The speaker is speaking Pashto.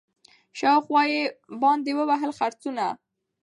شاوخوا یې باندي ووهل څرخونه